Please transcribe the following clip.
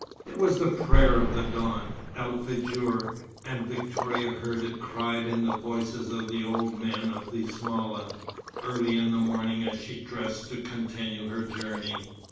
It was the Prayer of the Dawn, El Fejûr; and Victoria heard it cried in the voices of the old men of the zmala, early in the morning, as she dressed to continue her journey.